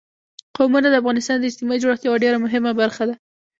قومونه د افغانستان د اجتماعي جوړښت یوه ډېره مهمه برخه ده.